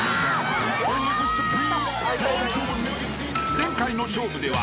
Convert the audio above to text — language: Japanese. ［前回の勝負では］